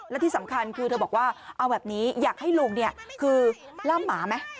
และที่สำคัญคือเธอบอกว่าเอาแบบนี้อยากให้ลุงเนี่ยคือล่ามหมาไหม